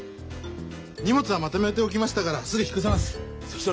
荷物はまとめておきましたからすぐ引っ越せます。